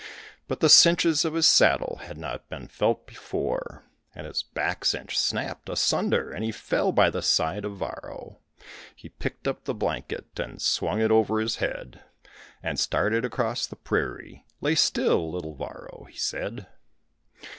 But the cinches of his saddle had not been felt before, And his back cinch snapt asunder and he fell by the side of Varro. He picked up the blanket and swung it over his head And started across the prairie; "Lay still, little Varro," he said.